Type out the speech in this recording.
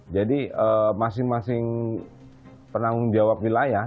jadi masing masing penanggung jawab wilayah